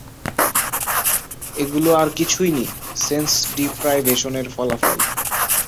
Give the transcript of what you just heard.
এগুলি আর কিছুই নী, সেন্স ডিপ্রাইভেশনের ফলাফল।